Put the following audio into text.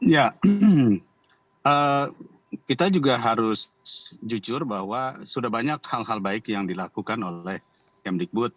ya kita juga harus jujur bahwa sudah banyak hal hal baik yang dilakukan oleh mdikbud